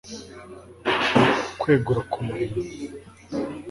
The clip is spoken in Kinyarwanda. kwegura ku murimo